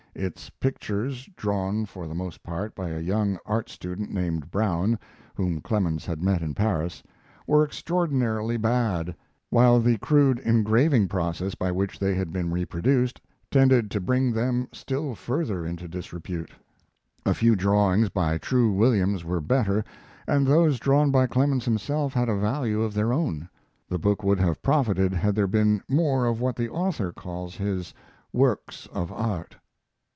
Its pictures drawn, for the most part, by a young art student named Brown, whom Clemens had met in Paris were extraordinarily bad, while the crude engraving process by which they had been reproduced; tended to bring them still further into disrepute. A few drawings by True Williams were better, and those drawn by Clemens himself had a value of their own. The book would have profited had there been more of what the author calls his "works of art."